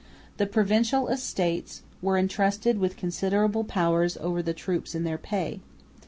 The Provincial Estates were entrusted with considerable powers over the troops in their pay.